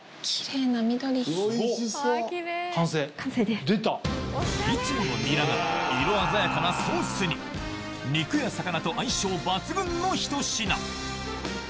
いつものニラが色鮮やかなソースに肉や魚と相性抜群のひと品